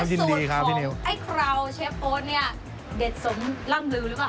สูตรของไอ้คราวเชฟโอ๊ตเนี่ยเด็ดสมร่ำลือหรือเปล่า